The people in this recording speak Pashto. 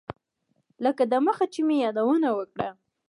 لکه دمخه چې مې یادونه وکړه.